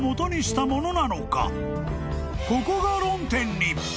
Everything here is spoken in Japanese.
［ここが論点に！］